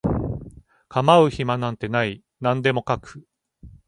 構う暇なんてない何でも描く